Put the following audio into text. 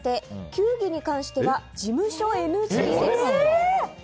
球技に関しては事務所ＮＧです。